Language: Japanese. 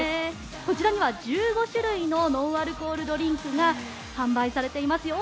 こちらには１５種類のノンアルコールドリンクが販売されていますよ